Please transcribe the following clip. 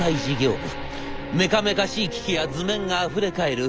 メカメカしい機器や図面があふれかえる